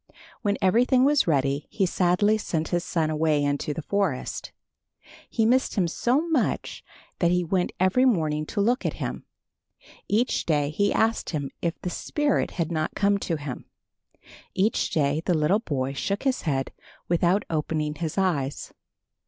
When everything was ready he sadly sent his son away into the forest. He missed him so much that he went every morning to look at him. Each day he asked him if the spirit had not come to him. Each day the little boy shook his head without opening his eyes.